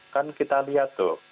kan kita lihat tuh